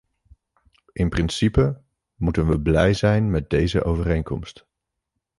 In principe moeten we blij zijn met deze overeenkomst.